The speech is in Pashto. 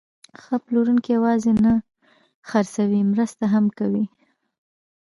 ښه پلورونکی یوازې نه خرڅوي، مرسته هم کوي.